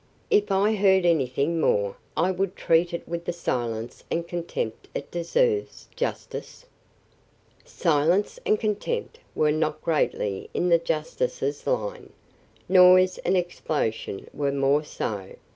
If I heard anything more, I would treat it with the silence and contempt it deserves, justice." Silence and contempt were not greatly in the justice's line; noise and explosion were more so.